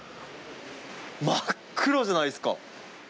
真っ黒じゃないっすか。